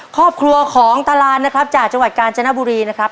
ครอบครัวของตารานนะครับจากจังหวัดกาญจนบุรีนะครับ